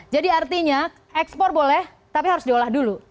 jadi artinya ekspor boleh tapi harus diolah dulu